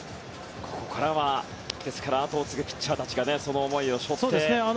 ここからは後を継ぐピッチャーたちがその思いを背負ってマウンドへ。